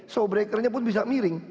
show breakernya pun bisa miring